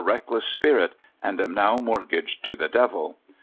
reckless spirit, and am now mortgaged to the devil.